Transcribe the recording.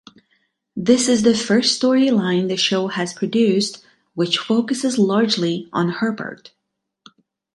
This is the first storyline the show has produced which focuses largely on Herbert.